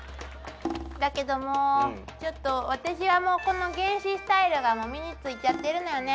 だけどもちょっと私はもうこの原始スタイルが身についちゃっているのよね。